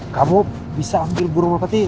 kamu bisa ambil burung merpeti